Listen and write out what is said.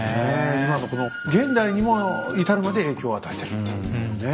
今のこの現代にも至るまで影響を与えてるというね。